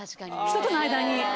人との間に。